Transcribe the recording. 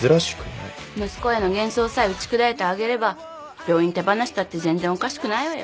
息子への幻想さえ打ち砕いてあげれば病院手放したって全然おかしくないわよ。